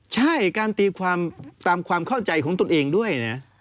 ใช่การตีความตามความเข้าใจของตนเองด้วยนะ